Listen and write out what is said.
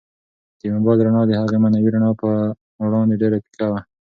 د موبایل رڼا د هغې معنوي رڼا په وړاندې ډېره پیکه وه.